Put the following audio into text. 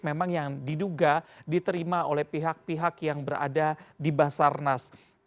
memang yang diduga diterima oleh pihak pihak yang berada di basarnas